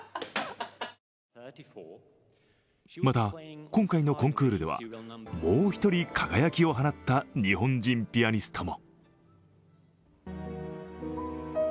また、今回のコンクールではもう１人輝きを放った日本人ピアニストも。